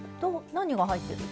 何が入ってる？